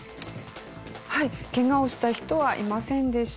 はいケガをした人はいませんでした。